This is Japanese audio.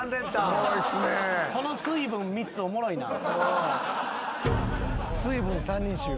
この水分３つおもろいな。